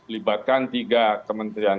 libatkan tiga kementerian